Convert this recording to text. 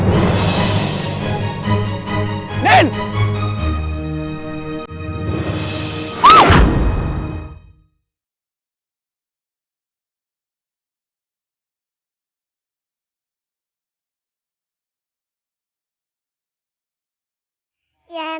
mas ini dia